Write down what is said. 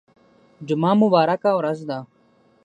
جمعه مبارکه ورځ ده